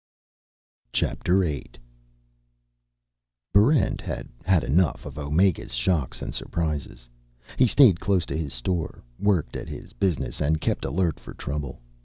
Chapter Eight Barrent had had enough of Omega's shocks and surprises. He stayed close to his store, worked at his business, and kept alert for trouble.